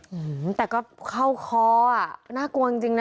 อืมแต่ก็เข้าคออ่ะน่ากลัวจริงนะ